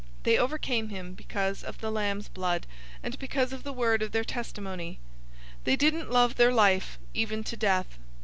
012:011 They overcame him because of the Lamb's blood, and because of the word of their testimony. They didn't love their life, even to death.